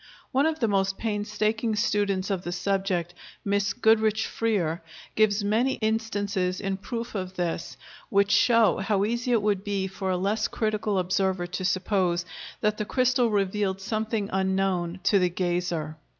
One of the most painstaking students of the subject, Miss Goodrich Freer, gives many instances in proof of this, which show how easy it would be for a less critical observer to suppose that the crystal revealed something unknown to the gazer.